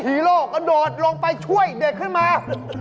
ฮีโร่กระโดดลงไปช่วยเด็กขึ้นมา